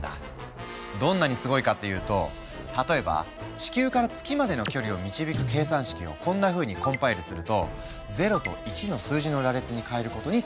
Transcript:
どんなにすごいかっていうと例えば地球から月までの距離を導く計算式をこんなふうにコンパイルすると０と１の数字の羅列に変えることに成功。